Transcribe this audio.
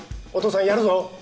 お父さんやるぞ！